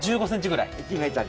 １ｍ１５ｃｍぐらい。